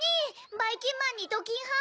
ばいきんまんにドキンはん。